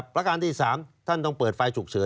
ประการที่๓ท่านต้องเปิดไฟฉุกเฉิน